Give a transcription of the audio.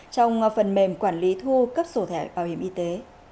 trong phần mềm quản lý thu cấp sổ thẻ bảo hiểm y tế